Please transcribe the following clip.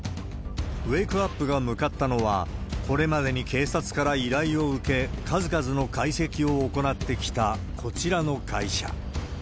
ウェークアップが向かったのは、これまでに警察から依頼を受け、数々の解析を行ってきた、こちらの会社。